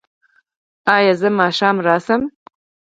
ایا زه ماښام راشم؟